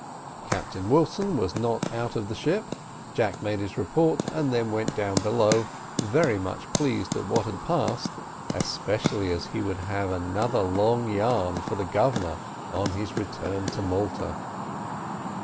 Captain Wilson was not out of the ship. Jack made his report, and then went down below, very much pleased at what had passed, especially as he would have another long yarn for the Governor on his return to Malta.